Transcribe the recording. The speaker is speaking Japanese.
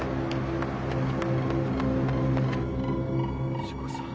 藤子さん？